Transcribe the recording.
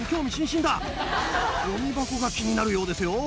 ゴミ箱が気になるようですよ。